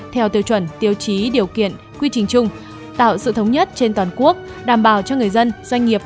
theo tiêu chuẩn tiêu chí điều kiện quy trình chung tạo sự thống nhất trên toàn quốc đảm bảo cho người dân doanh nghiệp